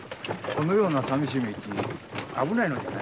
このような寂しい道危ないのではないか？